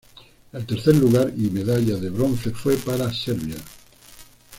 El tercer lugar y medalla de bronce fue para Serbia.